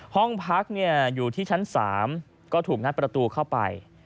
ห้องพักอยู่ที่ชั้น๓ก็ถูกงัดประตูเข้าไป